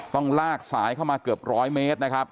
ต้องลากสายเข้ามาเกือบร้อยเมตรนะครับ